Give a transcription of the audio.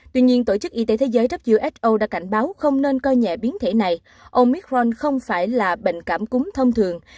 tuy nhiên tổ chức y tế thế giới who đã cảnh báo không nên coi nhẹ biến thể này omicron không phải là bệnh cảm cúng thông thường